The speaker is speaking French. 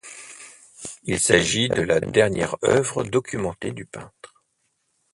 Il s'agit de la dernière œuvre documentée du peintre.